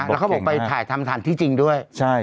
แล้วเขาบอกไปถ่ายทำฐานที่จริงด้วย